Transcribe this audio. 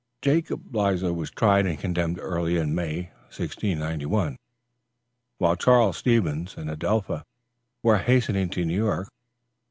Jacob Leisler was tried and condemned early in May, 1691, while Charles Stevens and Adelpha were hastening to New York.